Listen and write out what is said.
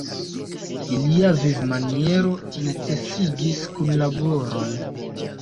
Ilia vivmaniero necesigis kunlaboron.